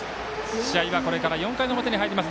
試合は、これから４回の表に入ります。